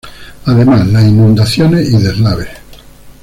Además, las inundaciones y deslaves.